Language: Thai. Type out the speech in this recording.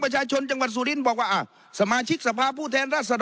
ประชาชนจังหวัดสุรินทร์บอกว่าอ่ะสมาชิกสภาพผู้แทนรัศดร